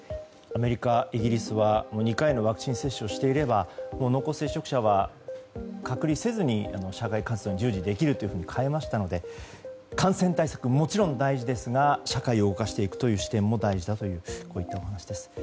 アメリカ、イギリスは２回のワクチン接種をしていれば濃厚接触者は隔離せずに社会活動に従事できると変えましたので感染対策、もちろん大事ですが社会を動かしていくという視点も大事だというこういったお話です。